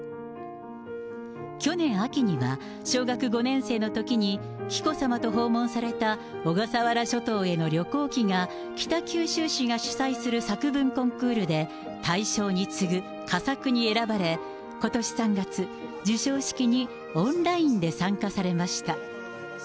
去年秋には、小学５年生のときに紀子さまと訪問された小笠原諸島への旅行記が北九州市が主催する作文コンクールで大賞に次ぐ、佳作に選ばれ、ことし３月、授賞式にオンラインで参加されました。